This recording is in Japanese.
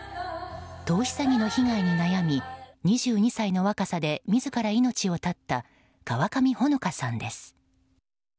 投資詐欺の被害に悩み２２歳の若さで自ら命を絶った川上穂野香さんです。